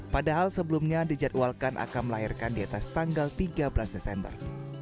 padahal sebelumnya dijadwalkan akan melahirkan di atas tanggal tiga belas desember